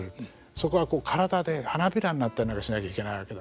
そこは体で花びらになったりなんかしなきゃいけないわけなんです。